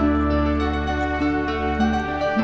jangan nanas ct si si ke